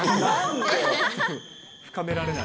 深められない。